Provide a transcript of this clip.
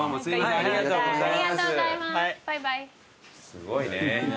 すごいね。